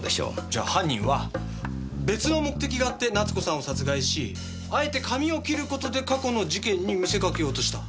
じゃあ犯人は別の目的があって奈津子さんを殺害しあえて髪を切ることで過去の事件に見せかけようとした。